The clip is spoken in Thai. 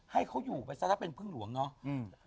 ให้เขาอยู่ไปซะถ้าเป็นพึ่งหลวงเนาะ